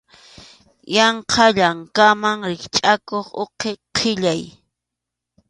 Yaqa llankaman rikchʼakuq uqi qʼillay.